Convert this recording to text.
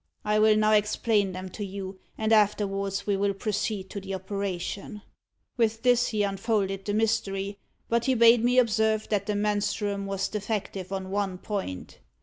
I will now explain them to you, and afterwards we will proceed to the operation.' With this, he unfolded the mystery; but he bade me observe, that the menstruum was defective on one point.